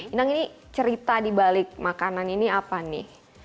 inang ini cerita di balik makanan ini apa nih